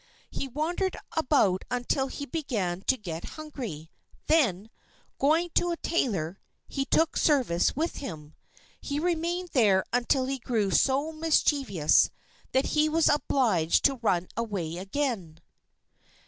He wandered about until he began to get hungry; then, going to a tailor, he took service with him. He remained there until he grew so mischievous that he was obliged to run away again.